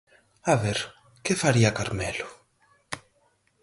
A ver, que faría Carmelo?